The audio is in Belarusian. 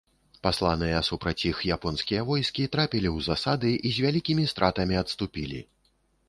Пасланыя супраць іх японскія войскі трапілі ў засады і з вялікімі стратамі адступілі.